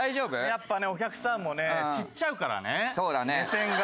やっぱねお客さんもね散っちゃうからね目線が。